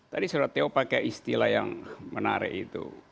tadi surat teo pakai istilah yang menarik itu